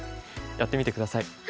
やってみて下さい。